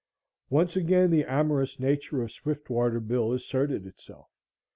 Once again the amorous nature of Swiftwater Bill asserted itself.